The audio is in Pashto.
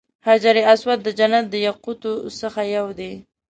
حجر اسود د جنت د یاقوتو څخه یو دی.